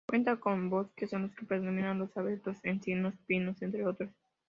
Cuenta con bosques, en los que predominan los abetos, encinos, pinos, entre otros.